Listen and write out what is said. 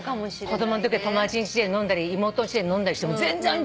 子供のとき友達んちで飲んだり妹のうちで飲んだりしても全然違う。